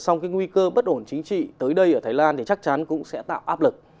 xong cái nguy cơ bất ổn chính trị tới đây ở thái lan thì chắc chắn cũng sẽ tạo áp lực